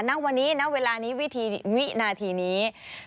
ณวันนี้ณเวลานี้วินาทีนี้